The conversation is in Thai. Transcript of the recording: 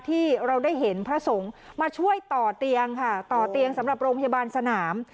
ที่เราได้เห็นพระสงฆ์มาช่วยต่อเตียงค่ะต่อเตียงสำหรับโรงพยาบาลสนาม